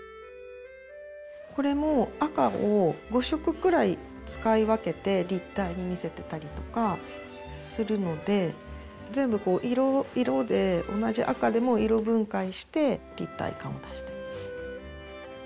これも赤を５色くらい使い分けて立体に見せてたりとかするので全部こう色で同じ赤でも色分解して立体感を出してる。